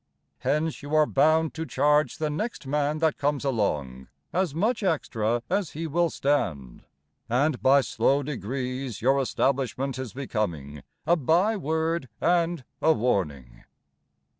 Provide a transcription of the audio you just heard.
Hence You are bound to charge The next man that comes along As much extra as he will stand, And by slow degrees Your establishment Is becoming A by word And a warning.